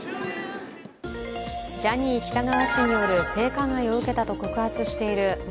ジャニー喜多川氏による性加害を受けたと告発している元